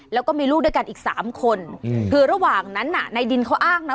แล้วก็มีลูกด้วยกันอีกสามคนคือระหว่างนั้นน่ะในดินเขาอ้างนะ